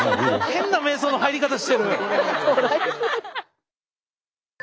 変な瞑想の入り方してる！